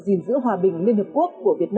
gìn giữ hòa bình liên hợp quốc của việt nam